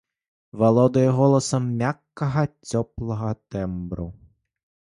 Валодае голасам мяккага цёплага тэмбру.